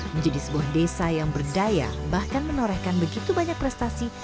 menjadi sebuah desa yang berdaya bahkan menorehkan begitu banyak prestasi